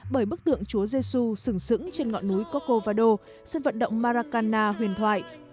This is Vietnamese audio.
bởi bức tượng chúa giê xu sửng sững trên ngọn núi cocco vado sân vận động maracana huyền thoại